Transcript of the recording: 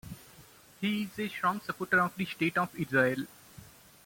He is a strong supporter of the state of Israel.